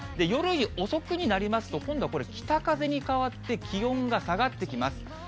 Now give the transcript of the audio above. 夜遅くになりますと、今度はこれ、北風に変わって、気温が下がってきます。